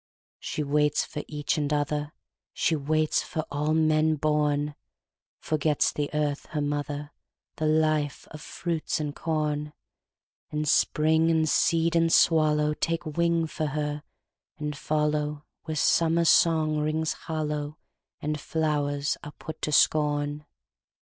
She waits for each and other, She waits for all men born; Forgets the earth her mother, The life of fruits and corn; And spring and seed and swallowTake wing for her and followWhere summer song rings hollowAnd flowers are put to scorn.